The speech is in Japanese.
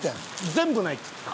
「全部ない」って言ってた。